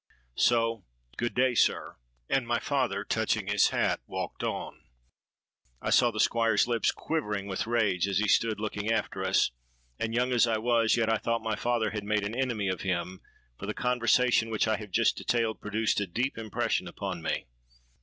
So good day, sir;' and my father, touching his hat, walked on. I saw the Squire's lips quivering with rage as he stood looking after us; and, young as I was, yet I thought my father had made an enemy of him—for the conversation which I have just detailed, produced a deep impression upon me.